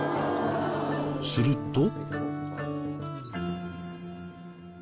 すると。